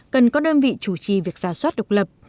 cần có đơn vị chủ trì việc giả soát độc lập